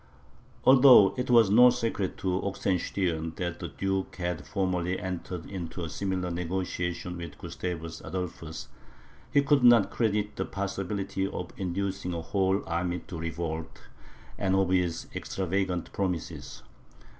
Although it was no secret to Oxenstiern, that the duke had formerly entered into a similar negociation with Gustavus Adolphus, he could not credit the possibility of inducing a whole army to revolt, and of his extravagant promises.